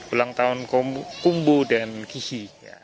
ulang tahun kumbu dan gisi